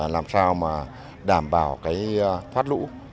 làm sao đảm bảo thoát lũ